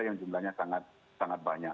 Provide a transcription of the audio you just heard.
yang jumlahnya sangat banyak